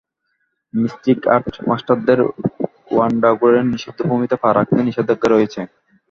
Mystic art মাস্টারদের ওয়ান্ডাগোরের নিষিদ্ধ ভূমিতে পা রাখাতে নিষেধাজ্ঞা রয়েছে।